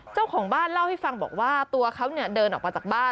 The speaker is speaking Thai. เจ้าของบ้านเล่าให้ฟังบอกว่าตัวเขาเดินออกมาจากบ้าน